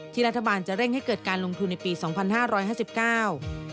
รัฐบาลจะเร่งให้เกิดการลงทุนในปีสองพันห้าร้อยห้าสิบเก้า